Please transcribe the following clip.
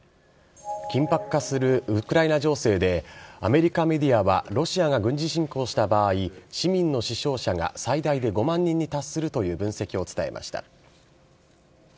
緊迫化するウクライナ情勢で、アメリカメディアはロシアが軍事侵攻した場合、市民の死傷者が最大で５万人に達するとする分析を伝えました。